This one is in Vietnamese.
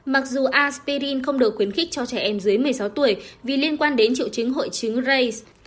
mặc dù aspirin không được khuyến khích cho trẻ em dưới một mươi sáu tuổi vì liên quan đến triệu chứng hội chứng ra